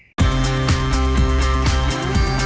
สวัสดีค่ะ